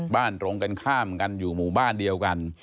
ตรงกันข้ามกันอยู่หมู่บ้านเดียวกัน